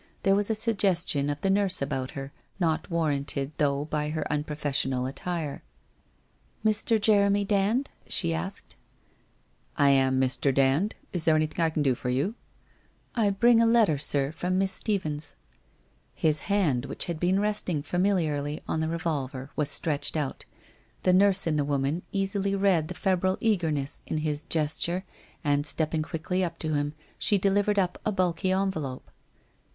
There was a suggestion of the nurse about her, not warranted though by her unprofessional attire. ' Mr. Jeremy Dand ?' she asked. * I am Mr. Dand. Is there anything I can do for you ?' 1 1 bring a letter, sir, from Miss Stephens.' His hand, which had been resting familiarly on the re volver, was stretched out. The nurse in the woman easily read the febrile eagerness in his gesture, and stepping quickly up to him, she delivered up a bulky envelope.